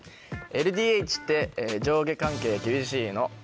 ＬＤＨって上下関係厳しいの？